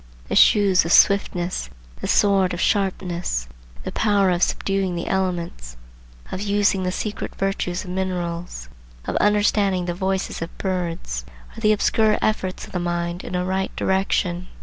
The shoes of swiftness, the sword of sharpness, the power of subduing the elements, of using the secret virtues of minerals, of understanding the voices of birds, are the obscure efforts of the mind in a right direction.